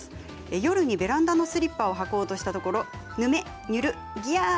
夜にベランダのスリッパを履こうとしたところぬるっ、ぬめ、ギャー！